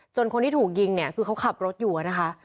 คนที่ถูกยิงเนี่ยคือเขาขับรถอยู่นะคะ